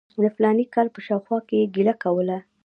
د فلاني کال په شاوخوا کې یې ګیله کوله.